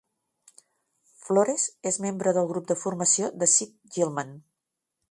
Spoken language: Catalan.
Flores és membre del grup de formació de Sid Gillman.